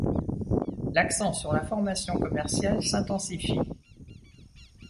L’accent sur la formation commerciale s’intensifie.